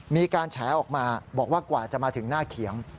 มีการแฉออกมาบอกว่ากว่าจะมาถึงหน้าเขียง